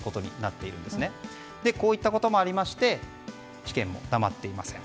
こういったこともありまして地検も黙っていません。